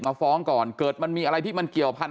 ฟ้องก่อนเกิดมันมีอะไรที่มันเกี่ยวพันธ